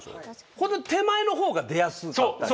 本当は手前のほうが出やすかったり。